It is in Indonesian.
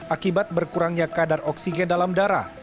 akibat berkurangnya kadar oksigen dalam darah